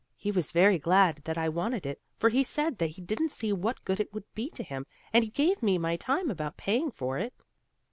He was very glad that I wanted it, for he said that he didn't see what good it would be to him, and he gave me my time about paying for it."